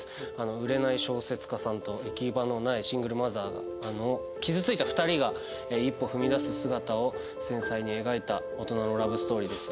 売れない小説家さんと行き場のないシングルマザーの傷ついた２人が一歩踏み出す姿を繊細に描いた大人のラブストーリーです。